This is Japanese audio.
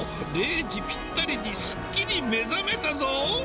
０時ぴったりにすっきり目覚めたぞ。